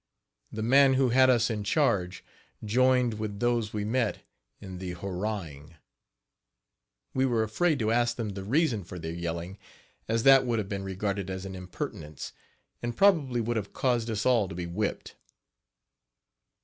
The man who had us in charge joined with those we met in the hurrahing. We were afraid to ask them the reason for their yelling, as that would have been regarded as an impertinence, and probably would have caused us all to be whipped.